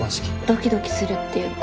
ドキドキするっていうか。